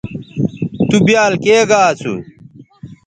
تُو بیال کے گا اسُو